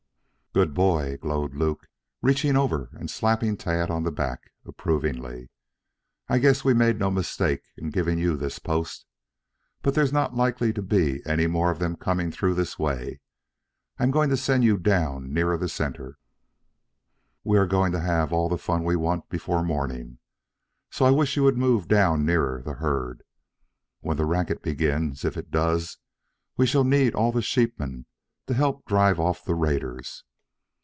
"Good boy," glowed Luke, reaching over and slapping Tad on the back approvingly. "I guess we made no mistake in giving you this post. But there's not likely to be any more of them come through this way. I am going to send you down nearer the center. We are going to have all the fun we want before morning. So I wish you would move down nearer the herd. When the racket begins, if it does, we shall need all the sheepmen to help drive off the raiders.